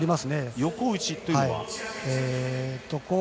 横打ちというのは？